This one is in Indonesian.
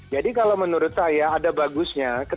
jadi kalau menurut saya ada bagusnya